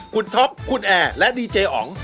คุณท็อปคุณแอร์และดีเจอ๋อง